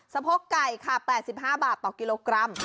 สะโพกไก่ค่ะ๘๕บาทต่อกิโลกรัม